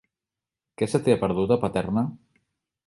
Què se t'hi ha perdut, a Paterna?